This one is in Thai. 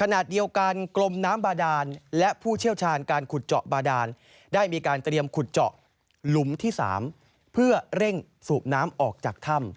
ขณะเดียวกันกลมน้ำบาดานและผู้เชี่ยวชาญการขุดเจาะบาดานได้มีการเตรียมขุดเจาะหลุมที่๓เพื่อเร่งสูบน้ำออกจากถ้ำ